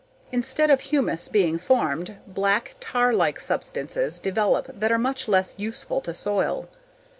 Instead of humus being formed, black, tarlike substances develop that are much less useful in soil.